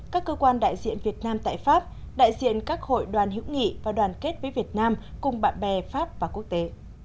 các cơ quan đại diện việt nam tại pháp đại diện các hội đoàn hữu nghị và đoàn kết với việt nam cùng bạn bè pháp và quốc tế